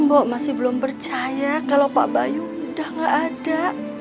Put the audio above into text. mbok masih belum percaya kalau pak bayu udah gak ada